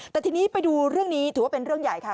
แต่ทีนี้ไปดูเรื่องนี้ถือว่าเป็นเรื่องใหญ่ค่ะ